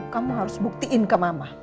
kamu harus buktiin ke mama